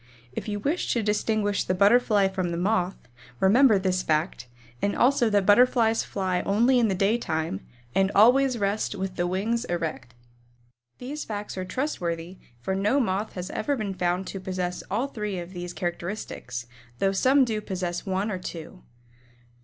If you wish to distinguish the Butterfly from the Moth, remember this fact, and also that Butterflies fly only in the daytime and always rest with the wings erect. These facts are trustworthy, for no Moth has ever been found to possess all three of these characteristics, though some do possess one or two.